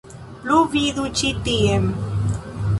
Plu vidu ĉi tien.